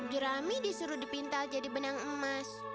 jerami disuruh dipintal jadi benang emas